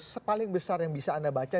apa alasan paling besar yang bisa anda baca